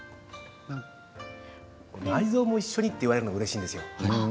内臓も一緒にと言われるのがうれしいんです。